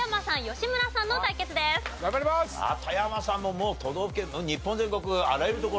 田山さんももう都道府県日本全国あらゆる所。